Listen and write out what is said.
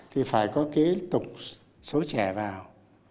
thì phải có kế tục số trẻ vào